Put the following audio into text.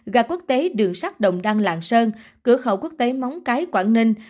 gà quốc tế đường sắt đồng đăng lạng sơn cửa khẩu quốc tế móng cái quảng ninh